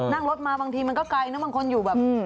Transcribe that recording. นั่งรถมาบางทีมันก็ไกลนะบางคนอยู่แบบ